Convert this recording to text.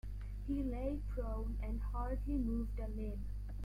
He lay prone and hardly moved a limb.